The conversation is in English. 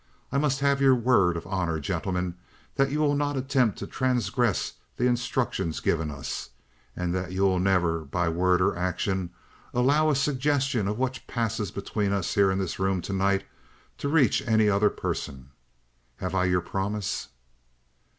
I must have your word of honor, gentlemen, that you will not attempt to transgress the instructions given us, and that you will never, by word or action, allow a suggestion of what passes between us here in this room to night, to reach any other person. Have I your promise?"